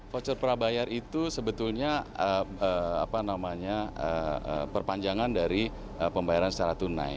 voucher prabayar itu sebetulnya perpanjangan dari pembayaran secara tunai